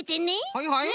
はいはい。